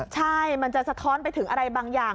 ใช่มันจะสะท้อนไปถึงอะไรบางอย่าง